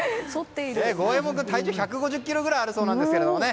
ゴエモン君体重１５０ｋｇぐらいあるそうなんですけど。